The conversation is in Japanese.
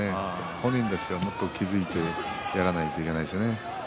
本人たちがね、もっと気付いてやらないといけないですね。